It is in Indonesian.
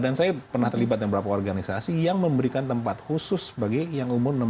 dan saya pernah terlibat dengan beberapa organisasi yang memberikan tempat khusus bagi yang umur enam belas juta